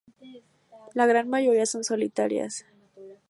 La gran mayoría son solitarias.